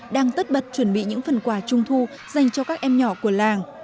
đang tất bật chuẩn bị những phần quà trung thu dành cho các em nhỏ của làng